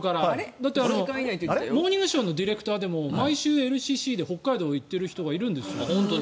だって「モーニングショー」のプロデューサーでも毎週ＬＣＣで北海道に行っている方がいるんですよ。